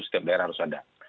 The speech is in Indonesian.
setiap daerah harus ada